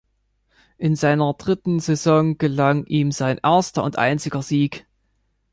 In seiner dritten Saison gelang ihm sein erster und einziger Sieg.